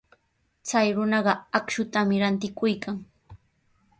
Chay runaqa akshutami rantikuykan.